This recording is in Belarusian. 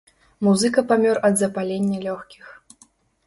Музыка памёр ад запалення лёгкіх.